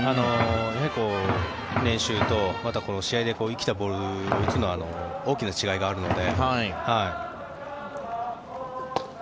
やはり練習と試合で生きたボールを打つのは大きな違いがあるので。